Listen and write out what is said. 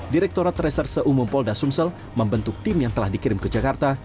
direktorat reserse umum polda sumsel membentuk tim yang telah dikirim ke jakarta